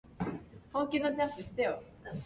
つつ